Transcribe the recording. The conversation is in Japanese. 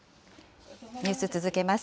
ニュース続けます。